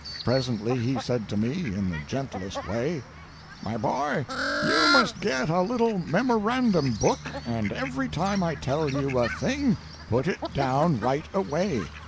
Presently he said to me, in the gentlest way: "My boy, you must get a little memorandum book, and every time I tell you a thing, put it down right away.